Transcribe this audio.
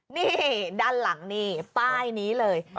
นี่ด้านหลังนี่ป้ายนี้เลย